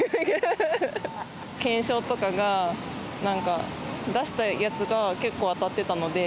懸賞とかが、なんか出したやつが結構当たってたので。